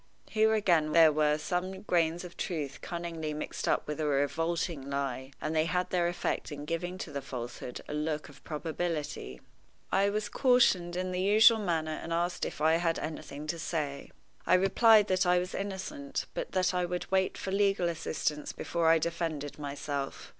Here again there were some grains of truth cunningly mixed up with a revolting lie, and they had their effect in giving to the falsehood a look of probability. I was cautioned in the usual manner and asked if I had anything to say. I replied that I was innocent, but that I would wait for legal assistance before I defended myself.